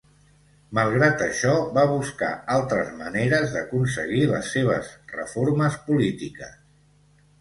Malgrat això, va buscar altres maneres d'aconseguir les seves reformes polítiques.